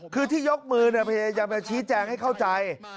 คือที่ยกมือพยายามจะชี้แจงให้เข้าใจ